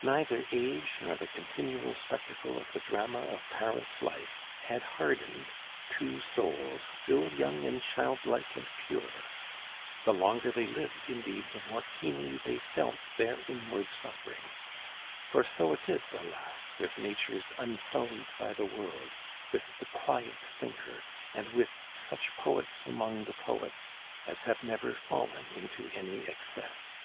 Neither age nor the continual spectacle of the drama of Paris life had hardened two souls still young and childlike and pure; the longer they lived, indeed, the more keenly they felt their inward suffering; for so it is, alas! with natures unsullied by the world, with the quiet thinker, and with such poets among the poets as have never fallen into any excess.